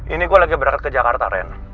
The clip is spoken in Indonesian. ini gue lagi berangkat ke jakarta ren